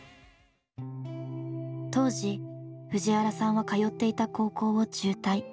当時藤原さんは通っていた高校を中退。